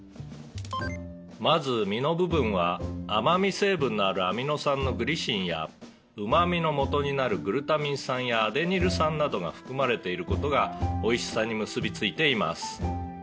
「まず身の部分は甘み成分のあるアミノ酸のグリシンやうまみのもとになるグルタミン酸やアデニル酸などが含まれている事がおいしさに結びついています」